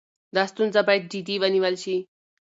دا ستونزه باید جدي ونیول شي.